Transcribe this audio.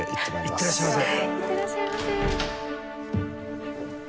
いってらっしゃいませ。